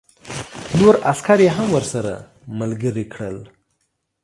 نور عسکر یې هم ورسره ملګري کړل